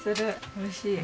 おいしい。